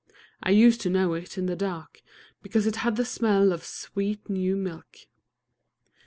I used to know it in the dark, because it had the smell of sweet new milk...."